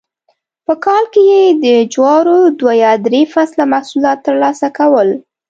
په کال کې یې د جوارو دوه یا درې فصله محصولات ترلاسه کول